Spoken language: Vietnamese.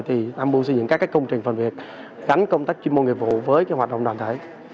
thì tham mưu xây dựng các công trình phần việc gắn công tác chuyên môn nghiệp vụ với hoạt động đoàn thể